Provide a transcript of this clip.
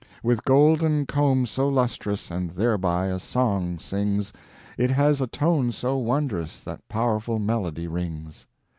With golden comb so lustrous, And thereby a song sings, It has a tone so wondrous, That powerful melody rings.